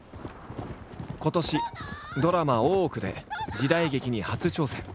今年ドラマ「大奥」で時代劇に初挑戦。